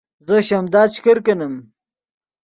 زو شیمدا چے کرکینیم